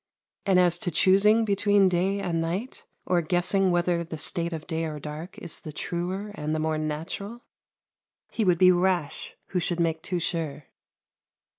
And as to choosing between day and night, or guessing whether the state of day or dark is the truer and the more natural, he would be rash who should make too sure.